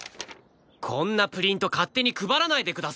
こんなプリント勝手に配らないでください。